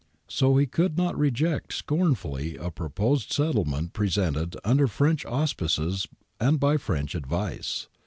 So he could not 'reject scornfully a proposed settlement presented under French auspices and by French advice.'